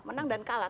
menang dan kalah